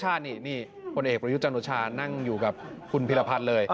ให้ดูสิที่วงอยู่นั่งคุณผู้ชมนะครับ